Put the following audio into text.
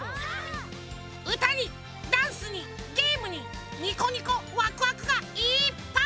うたにダンスにゲームにニコニコワクワクがいっぱい！